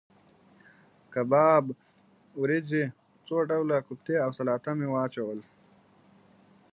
کباب، وریجې، څو ډوله کوفتې او سلاته مې واچول.